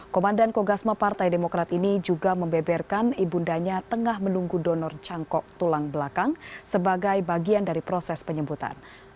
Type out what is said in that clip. komandan kogasma partai demokrat ini juga membeberkan ibu undanya tengah menunggu donor cangkok tulang belakang sebagai bagian dari proses penyebutan